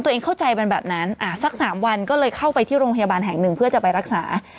เข้าใจเป็นแบบนั้นสัก๓วันก็เลยเข้าไปที่โรงพยาบาลแห่งหนึ่งเพื่อจะไปรักษา